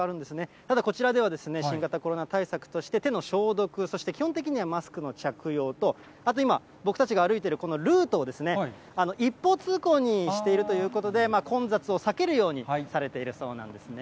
ただこちらでは、新型コロナ対策として、手の消毒、そして基本的にはマスクの着用と、あと今、僕たちが歩いてるこのルートを、一方通行にしているということで、混雑を避けるようにされているそうなんですね。